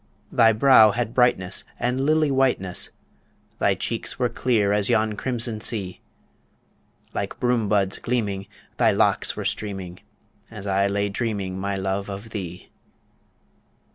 Thy brow had brightness and lily whiteness, Thy cheeks were clear as yon crimson sea; Like broom buds gleaming, thy locks were streaming, As I lay dreaming, my love, of thee.